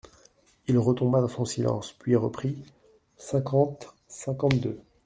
Il retomba dans son silence, puis reprit : cinquante-cinquante-deux.